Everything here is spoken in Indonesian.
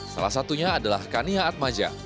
salah satunya adalah kania atmaja